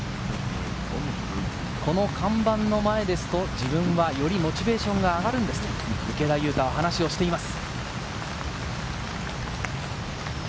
この看板の前ですと、自分はよりモチベーションが上がるんですと池田勇太は話しています。